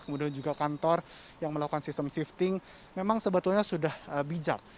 kemudian juga kantor yang melakukan sistem shifting memang sebetulnya sudah bijak